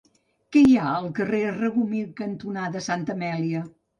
Què hi ha al carrer Regomir cantonada Santa Amèlia?